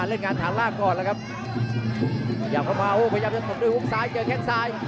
พยายามเข้ามาโหพยายามจะตกด้วยหุ้กซ้ายเจอแข็งซ้าย